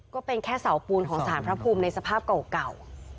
ก็เป็นแค่เสาปูนของสารพระภูมิในสภาพเก่า